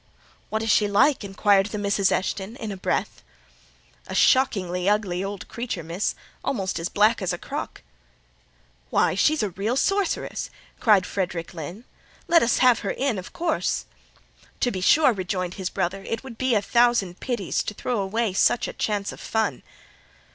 "What is she like?" inquired the Misses Eshton, in a breath. "A shockingly ugly old creature, miss; almost as black as a crock." "Why, she's a real sorceress!" cried Frederick Lynn. "Let us have her in, of course." "To be sure," rejoined his brother; "it would be a thousand pities to throw away such a chance of fun."